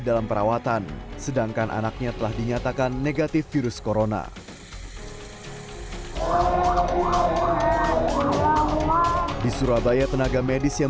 dalam perawatan sedangkan anaknya telah dinyatakan negatif virus corona di surabaya tenaga medis yang